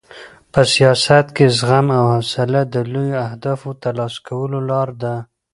په سیاست کې زغم او حوصله د لویو اهدافو د ترلاسه کولو لار ده.